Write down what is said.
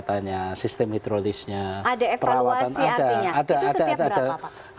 ada evaluasi artinya itu setiap berapa pak